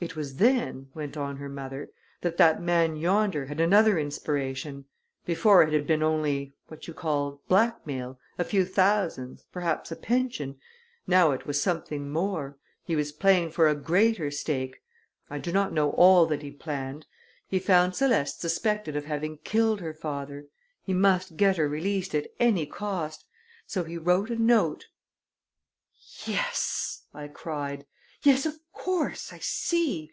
"It was then," went on her mother, "that that man yonder had another inspiration. Before it had been only what you call blackmail a few thousands, perhaps a pension; now it was something more he was playing for a greater stake. I do not know all that he planned. He found Céleste suspected of having killed her father; he must get her released at any cost; so he wrote a note " "Yes," I cried. "Yes, of course; I see.